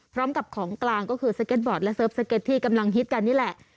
พร้อมกับของกลางก็คือสเก็ตบอร์ดและเสิร์ฟสเก็ตที่กำลังฮิตกันนี่แหละ